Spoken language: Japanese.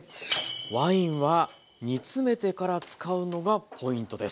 ワインは煮詰めてから使うのがポイントです。